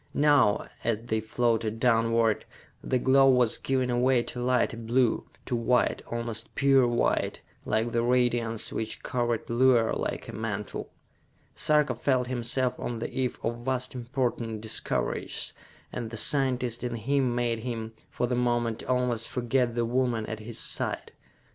Now, as they floated downward, the glow was giving away to lighter blue, to white, almost pure white, like the radiance which covered Luar like a mantle. Sarka felt himself on the eve of vast important discoveries, and the scientist in him made him, for the moment, almost forget the woman at his side.